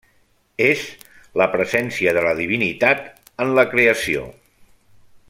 És la presència de la divinitat en la creació.